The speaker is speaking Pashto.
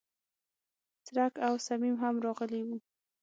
څرک او صمیم هم راغلي و.